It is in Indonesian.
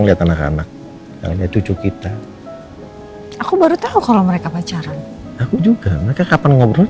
lihat anak anak cucu kita aku baru tahu kalau mereka pacaran aku juga mereka kapan ngobrol